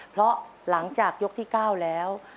เพราะหลังจากยกที่๙แล้ว